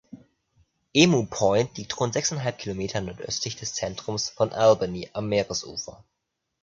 Emu Point liegt rund sechseinhalb Kilometer nordöstlich des Zentrums von Albany am Meeresufer.